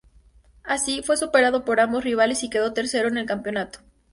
Así, fue superado por ambos rivales y quedó tercero en el campeonato.